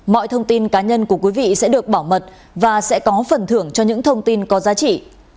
mọi thông tin cá nhân của quý vị sẽ được bảo mật và sẽ có phần thưởng cho những thông tin có giá trị